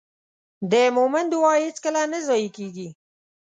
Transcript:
د مؤمن دعا هېڅکله نه ضایع کېږي.